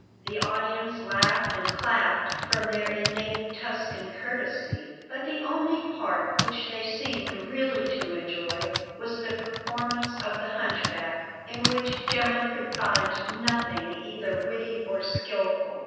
The audience laughed and clapped from their innate Tuscan courtesy; but the only part which they seemed really to enjoy was the performance of the hunchback, in which Gemma could find nothing either witty or skilful.